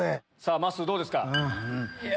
まっすーどうですか？